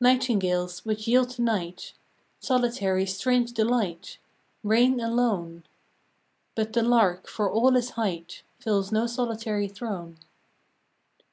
148 FROM QUEENS' GARDENS. " Nightingales which yield to night, Solitary strange delight, Reign alone : But the lark for all his height Fills no solitary throne.